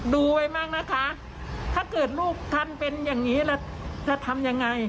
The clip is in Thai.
ดูไว้มากนะคะถ้าเกิดลูกท่านเป็นอย่างนี้แล้วจะทำยังไง